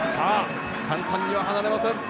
簡単には離れません。